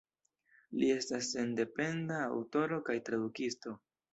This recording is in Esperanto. Li estas sendependa aŭtoro kaj tradukisto.